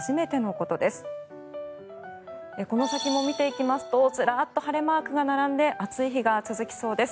この先も見ていきますとずらっと晴れマークが並んで暑い日が続きそうです。